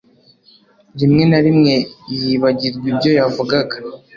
Rimwe na rimwe yibagirwa ibyo yavugaga